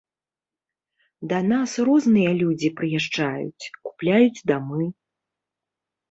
Да нас розныя людзі прыязджаюць, купляюць дамы.